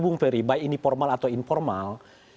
bung ferry baik ini formal atau informal